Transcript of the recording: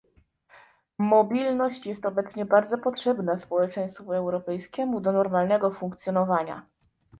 Mobilność jest obecnie bardzo potrzebna społeczeństwu europejskiemu do normalnego funkcjonowania